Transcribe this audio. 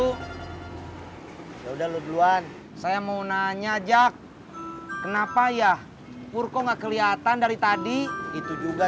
hai ya udah lu duluan saya mau nanya jack kenapa ya purko nggak kelihatan dari tadi itu juga